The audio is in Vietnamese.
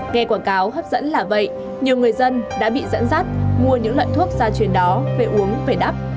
nghe quảng cáo hấp dẫn là vậy nhiều người dân đã bị dẫn dắt mua những loại thuốc gia truyền đó về uống về đắp